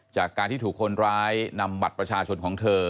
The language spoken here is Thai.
จากการที่ถูกคนร้ายนำบัตรประชาชนของเธอ